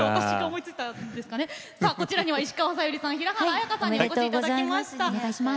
こちらには石川さゆりさん、平原綾香さんにお越しいただきました。